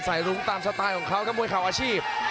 ใส่รุ้งตามสไตล์ของเขาก็มุยเข่าอาชีพ